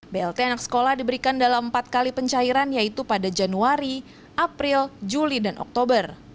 blt anak sekolah diberikan dalam empat kali pencairan yaitu pada januari april juli dan oktober